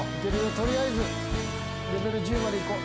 取りあえずレベル１０まで行こう。